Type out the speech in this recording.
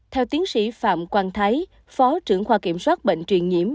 theo tiến sĩ phạm quang thái phó trưởng khoa kiểm soát bệnh truyền nhiễm